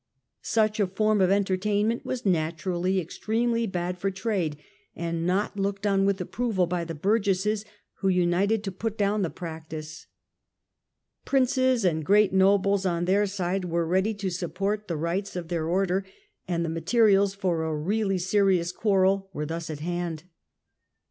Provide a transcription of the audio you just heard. Such a form of entertainment was naturally extremely bad for trade, and not looked on with approval by the burgesses, who united to put down the practice. Princes and great nobles on their side were ready to support the rights of their order, and the materials for a really serious quarrel were thus at hand.